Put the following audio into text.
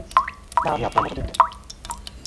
না, আমি আপনার মতো দেখতে।